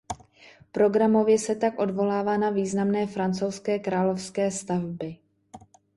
Programově se tak odvolává na významné francouzské královské stavby.